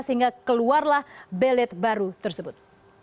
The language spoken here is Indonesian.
sehingga keluarlah bailet baru tersebut